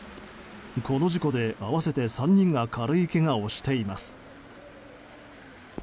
この事故で合わせて３人が軽いけがをしています。